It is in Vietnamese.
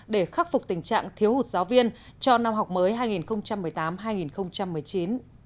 để khắc phục tình trạng thiếu hụt giáo viên cho năm học mới hai nghìn một mươi tám hai nghìn một mươi chín